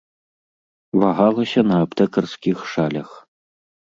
Вагалася на аптэкарскіх шалях.